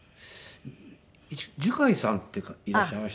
壽海さんっていらっしゃいましたよね？